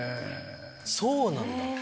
そうなんだ！